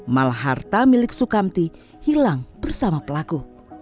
mal harta milik sukamti hilang bersama pelaku